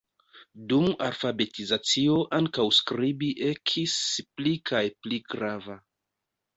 Dum alfabetizacio ankaŭ skribi ekis pli kaj pli grava.